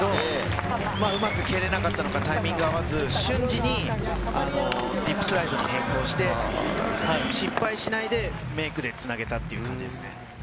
おそらくそのつもりだったんですけど、うまく蹴れなかったのか、タイミング合わず瞬時にリップスライドに変更して、失敗しないで、メイクでつなげたっていう感じですね。